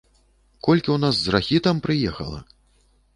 Колькі ў нас з рахітам прыехала!